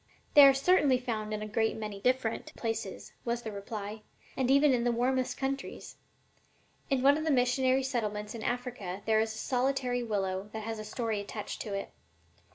"They are certainly found in a great many different places," was the reply, "and even in the warmest countries. In one of the missionary settlements in Africa there is a solitary willow that has a story attached to it.